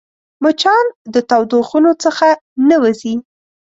مچان د تودو خونو څخه نه وځي